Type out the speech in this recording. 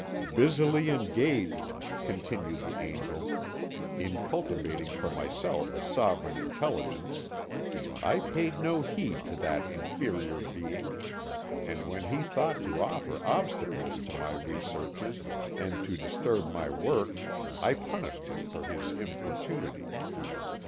"Busily engaged," continued the Angel, "in cultivating for myself a sovereign intelligence, I paid no heed to that inferior being, and when he thought to offer obstacles to my researches and to disturb my work I punished him for his importunity.